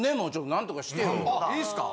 いいすか？